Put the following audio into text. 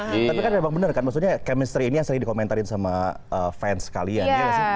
tapi kan memang bener kan maksudnya chemistry ini yang sering dikomentarin sama fans kalian